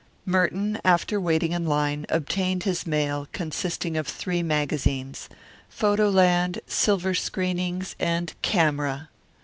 Merton, after waiting in line, obtained his mail, consisting of three magazines Photo Land, Silver Screenings, and Camera.